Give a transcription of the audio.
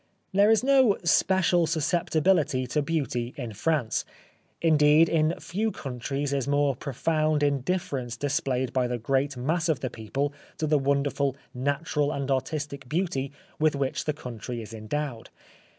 There is no special susceptibility to beauty in France ; indeed, in few countries is more profound indifference displayed by the great mass of the people to the wonderful natural and artistic beauty with which the country is endowed.